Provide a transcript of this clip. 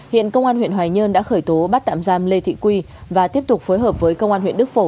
hiện công an huyện hoài nhơn đã khởi tố bắt tạm giam lê thị quy và tiếp tục phối hợp với công an huyện đức phổ